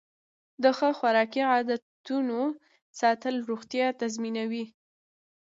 د ښه خوراکي عادتونو ساتل روغتیا تضمینوي.